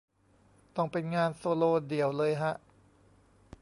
ต้องเป็นงานโซโลเดี่ยวเลยฮะ